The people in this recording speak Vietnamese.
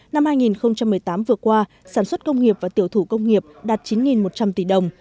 năm hai nghìn một mươi tám vừa qua sản xuất công nghiệp và tiểu thủ công nghiệp đạt chín một trăm linh tỷ đồng